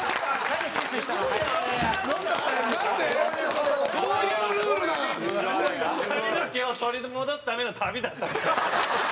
髪の毛を取り戻すための旅だった。